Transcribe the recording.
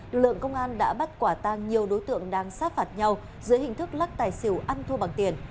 lực lượng công an đã bắt quả tang nhiều đối tượng đang sát phạt nhau dưới hình thức lắc tài xỉu ăn thua bằng tiền